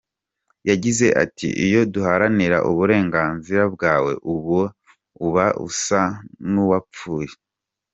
Yagize ati" Iyo udaharanira uburenganzira bwawe uba usa nuwapfuye.